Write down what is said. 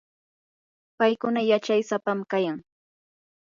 paykuna yachay sapam kayan.